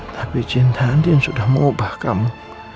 tapi cinta andin sudah mengubah kamu